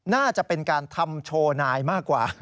น่าจะเป็นการทำโชว์นายมากกว่า